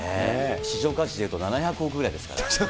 市場価値でいくと、７００億ぐらいですから。